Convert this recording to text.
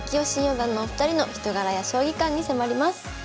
新四段のお二人の人柄や将棋観に迫ります。